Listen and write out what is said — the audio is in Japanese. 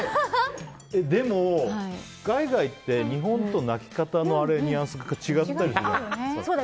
でも、海外って日本と鳴き方のニュアンスが違ったりする。